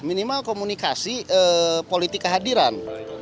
minimal komunikasi politik kehadiran